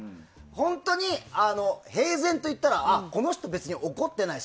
本当に平然と言ったらこの人別に怒ってない